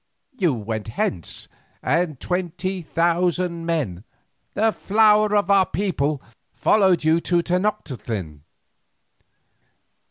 You went hence, and twenty thousand men, the flower of our people, followed you to Tenoctitlan.